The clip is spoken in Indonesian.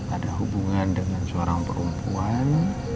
ada hubungan dengan seorang perempuan